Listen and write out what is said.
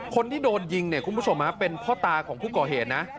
คนที่โดนยิงเนี่ยคุณผู้ชมเป็นพ่อตาของผู้ก่อเหตุนะ